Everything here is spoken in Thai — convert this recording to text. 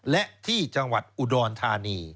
และที่จังหวัดอุดรธานี